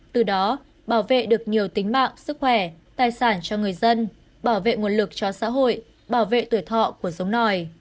từ đó bảo vệ được nhiều tính mạng sức khỏe tài sản cho người dân bảo vệ nguồn lực cho xã hội bảo vệ tuổi thọ của giống nòi